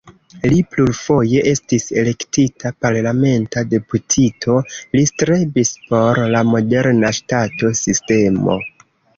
Li plurfoje estis elektita parlamenta deputito, li strebis por la moderna ŝtato-sistemo.